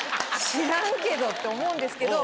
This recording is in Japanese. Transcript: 知らんけどって思うんですけど。